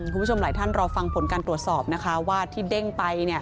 คุณผู้ชมหลายท่านรอฟังผลการตรวจสอบนะคะว่าที่เด้งไป